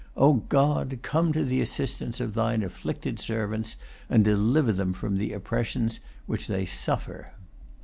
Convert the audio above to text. Oh God! come to the assistance of thine afflicted servants, and deliver them from the oppressions which they suffer."